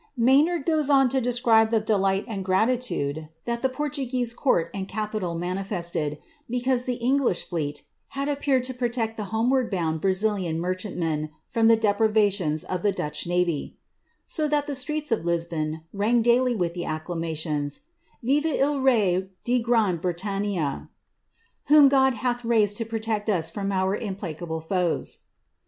Maynard goes on to describe the and gratitude that the Portuguese court and capital manifested, the English fleet had appeared to protect the homeward bound n merchantmen from the depredations of the Dutch navy, ^^ so ) streets of Lisbon rang daily with the acclamations of ^ Viva il jrran Britannia V whom God hath raised to protect us from our ble foes!'